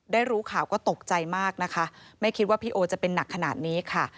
รู้ข่าวก็ตกใจมากนะคะไม่คิดว่าพี่โอจะเป็นหนักขนาดนี้ค่ะ